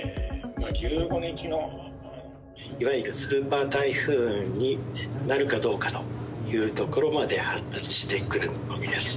いわゆるスーパー台風になるかどうかというところまで発達してくる見込みです。